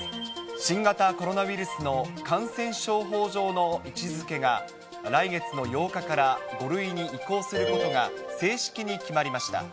新型コロナウイルスの感染症法上の位置づけが、来月の８日から５類に移行することが正式に決まりました。